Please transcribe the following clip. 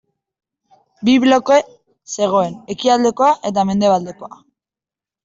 Bi bloke zegoen ekialdekoa eta mendebaldekoa.